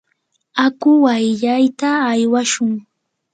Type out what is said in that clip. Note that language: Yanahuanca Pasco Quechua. aku wayllayta aywashun.